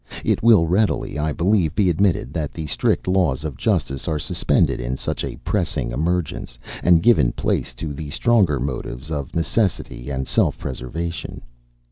It will readily, I believe, be admitted that the strict laws of justice are suspended in such a pressing emergence, and give place to the stronger motives of necessity and self preservation.